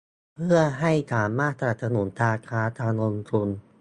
เพื่อให้สามารถสนับสนุนการค้า การลงทุน